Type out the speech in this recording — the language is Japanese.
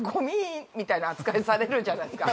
みたいな扱いされるじゃないですか。